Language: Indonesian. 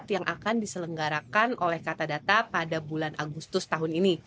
yang akan diselenggarakan oleh kata data pada bulan agustus tahun ini